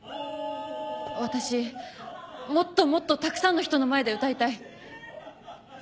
私もっともっとたくさんの人の前で歌いたい。